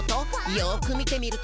「よく見てみると」